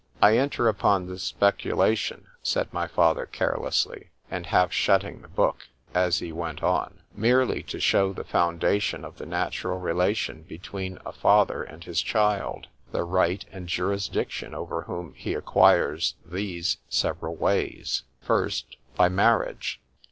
——I enter upon this speculation, said my father carelessly, and half shutting the book, as he went on, merely to shew the foundation of the natural relation between a father and his child; the right and jurisdiction over whom he acquires these several ways— 1st, by marriage.